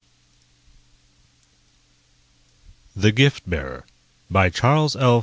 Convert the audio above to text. et The Gift Bearer By CHARLES L.